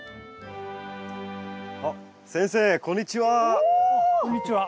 あっ先生こんにちは。